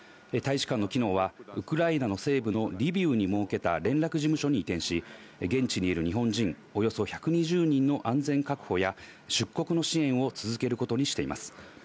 大使館の機能はウクライナ西部のリビウに設けた連絡事務所に移転し、現地にいる日本人およそ１２０人の安全確保や出国の支援を続けることにしています。